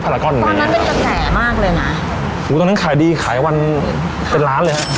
หลายก้อนตอนนั้นเป็นกระแสมากเลยนะโหตอนนั้นขายดีขายวันเป็นล้านเลยฮะ